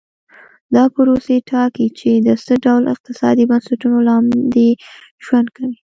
دا پروسې ټاکي چې د څه ډول اقتصادي بنسټونو لاندې ژوند کوي.